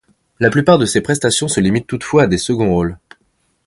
La plupart de ses prestations se limite toutefois à des seconds rôles.